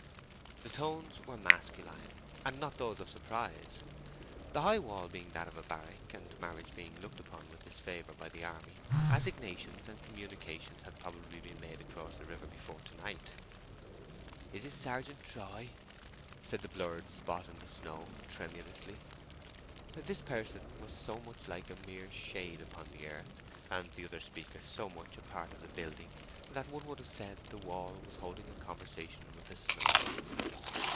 The tones were masculine, and not those of surprise. The high wall being that of a barrack, and marriage being looked upon with disfavour in the army, assignations and communications had probably been made across the river before to night. "Is it Sergeant Troy?" said the blurred spot in the snow, tremulously. This person was so much like a mere shade upon the earth, and the other speaker so much a part of the building, that one would have said the wall was holding a conversation with the snow.